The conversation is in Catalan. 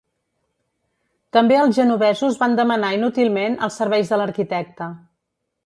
També els genovesos van demanar inútilment els serveis de l'arquitecte.